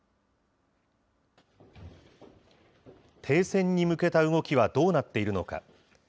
停戦に向けた動きはどうなっているのか。